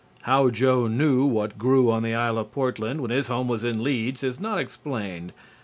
(How Joe knew what grew on the Isle of Portland when his home was in Leeds is not explained.